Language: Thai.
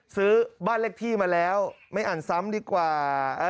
ซื้อบ้านเลขที่มาแล้วไม่อ่านซ้ำดีกว่า